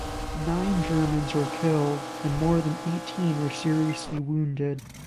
Nine Germans were killed and more than eighteen were seriously wounded.